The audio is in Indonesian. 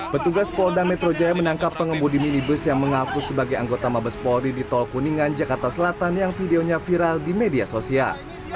petugas polda metro jaya menangkap pengemudi minibus yang mengaku sebagai anggota mabes polri di tol kuningan jakarta selatan yang videonya viral di media sosial